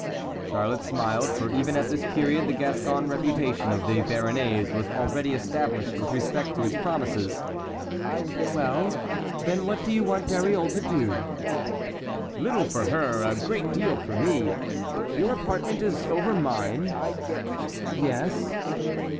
Charlotte smiled, for even at this period the Gascon reputation of the Béarnais was already established with respect to his promises. "Well, then, what do you want Dariole to do?" "Little for her, a great deal for me. Your apartment is over mine?" "Yes."